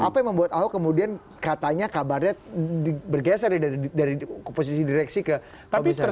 apa yang membuat ahok kemudian katanya kabarnya bergeser dari posisi direksi ke komisi satu